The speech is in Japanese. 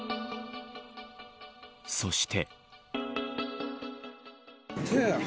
そして。